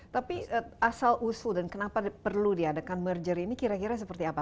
tapi asal usul dan kenapa perlu diadakan merger ini kira kira seperti apa